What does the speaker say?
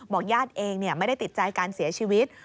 บอกญาติเองเนี่ยไม่ได้ติดใจการเสียชีวิต